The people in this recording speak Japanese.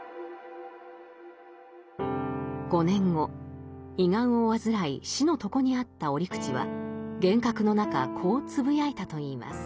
５年後胃がんを患い死の床にあった折口は幻覚の中こうつぶやいたといいます。